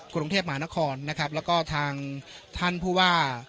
กรุงเทพหมานครและทางท่านผู้ว่า